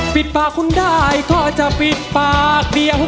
ปิดปากคุณได้ก็จะปิดปากเดียว